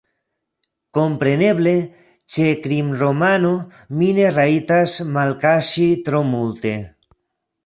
Kompreneble, ĉe krimromano mi ne rajtas malkaŝi tro multe.